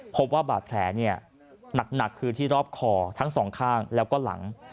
พบว่าบาดแผลหนักคือที่รอบคอทั้งสองข้างแล้วก็หลัง